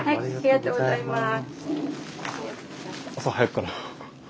ありがとうございます。